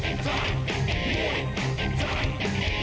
คนนี้มาจากอำเภออูทองจังหวัดสุภัณฑ์บุรีนะครับ